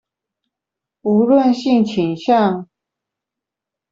無論性傾向